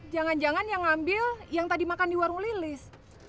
jangan jangan yang ngambil yang tadi makan di warung lilis